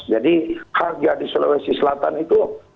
jadi harga di sulawesi selatan itu